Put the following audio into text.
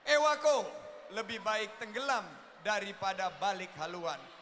ewako lebih baik tenggelam daripada balik haluan